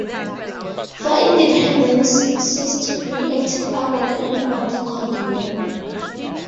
For Independence ceased to be active after the end of the Cold War.